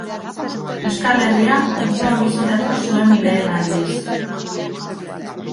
Euskal Herria orduan bisitatu zuen lehen aldiz.